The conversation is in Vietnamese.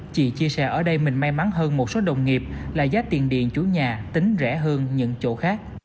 chị chia sẻ ở đây mình may mắn hơn một số đồng nghiệp là giá tiền điện chủ nhà tính rẻ hơn những chỗ khác